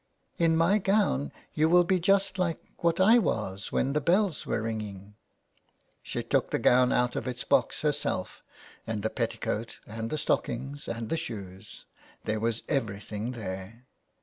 " In my gown you will be just like what I was when the bells were ringing.'^ She took the gown out of its box herself, and the petticoat and the stockings and the shoes ; there was everything there.